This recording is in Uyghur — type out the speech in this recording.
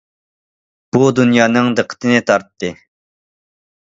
بۇ دۇنيانىڭ دىققىتىنى تارتتى.